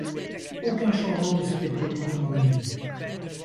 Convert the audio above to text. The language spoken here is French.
Aucun changement ne s’était produit pendant la nuit.